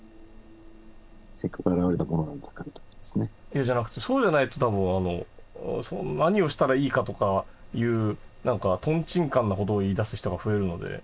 じゃなくてそうじゃないと多分何をしたらいいかとかいう何かとんちんかんなことを言いだす人が増えるので。